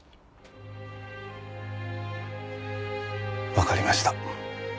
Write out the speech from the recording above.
わかりました。